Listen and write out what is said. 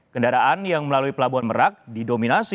kendaraan yang melalui pelabuhan merak didominasi